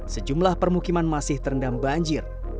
sejumlah permukiman masih terendam banjir